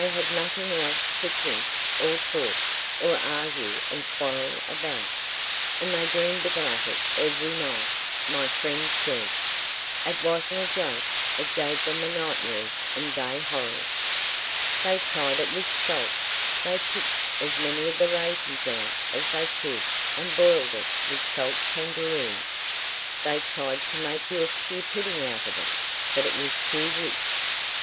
They had nothing else to think, or talk, or argue and quarrel about; and they dreamed about it every night, my friend says. It wasn't a joke—it gave them the nightmare and day horrors. They tried it with salt. They picked as many of the raisins out as they could and boiled it with salt kangaroo. They tried to make Yorkshire pudding out of it; but it was too rich.